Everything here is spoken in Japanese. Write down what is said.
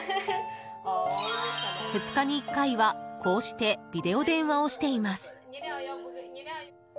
２日に１回はこうしてビデオ電話をしています。